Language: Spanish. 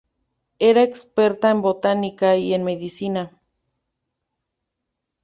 Era experta en botánica y en medicina.